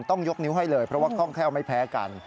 ต้องยกนิ้วให้เลยเพราะว่าคล่องแคล่วไม่แพ้กัน